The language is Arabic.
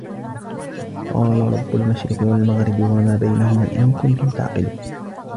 قال رب المشرق والمغرب وما بينهما إن كنتم تعقلون